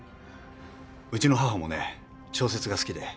うちの母もね小説が好きで。